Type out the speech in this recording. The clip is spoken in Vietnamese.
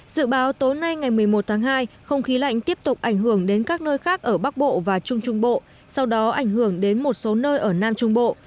dự báo tối nay ngày một mươi một tháng hai không khí lạnh tiếp tục ảnh hưởng đến các nơi khác ở bắc bộ và trung trung bộ sau đó ảnh hưởng đến một số nơi ở nam trung bộ